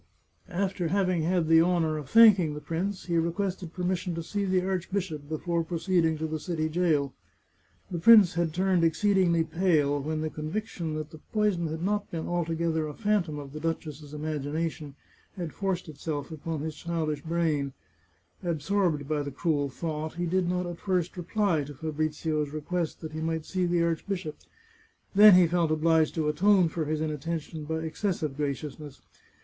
After having had the honour of thanking the prince, he requested permission to see the archbishop, before proceed ing to the city jail. The prince had turned exceedingly pale when the con viction that the poison had not been altogether a phantom of the duchess's imagination had forced itself upon his child 479 The Chartreuse of Parma ish brain. Absorbed by the cruel thought, he did not at first reply to Fabrizio's request that he might see the arch bishop. Then he felt obliged to atone for his inattention by excessive graciousness.